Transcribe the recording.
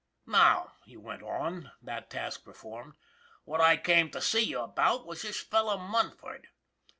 " Now," he went on, that task performed, " what I came to see you about was this fellow Munford."